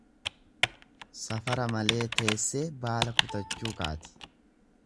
Safara malee teessee baala kutachuu kaati.